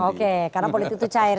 oke karena politik itu cair